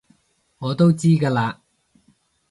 我都知㗎喇